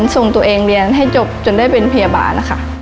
ส่งตัวเองเรียนให้จบจนได้เป็นพยาบาลนะคะ